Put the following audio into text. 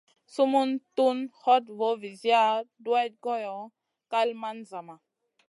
Sumun tun hoɗ voo viziya duwayd goyo, kal man zama.